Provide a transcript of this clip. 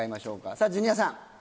さぁジュニアさん。